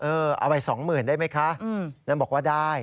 เออเอาไป๒๐๐๐๐๐ได้ไหมคะนั่นบอกว่าได้